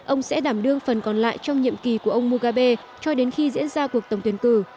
ông sẽ đảm đương phần còn lại trong nhiệm kỳ của ông mohabe cho đến khi diễn ra cuộc tổng tuyển cử